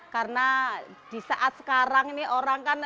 karena di saat sekarang ini orang orang ini